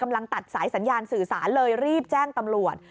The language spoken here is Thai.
ตัดสายสัญญาณสื่อสารเลยรีบแจ้งตำรวจ